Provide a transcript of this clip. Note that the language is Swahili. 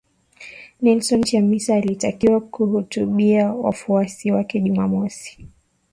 Nelson Chamisa alitakiwa kuhutubia wafuasi wake Jumamosi